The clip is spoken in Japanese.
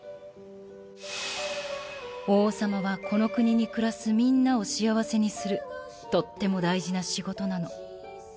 王様はこの国に暮らすみんなを幸せにするとっても大事な仕事なの